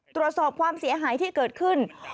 ตรวจสอบความเสียหายที่เกิดขึ้น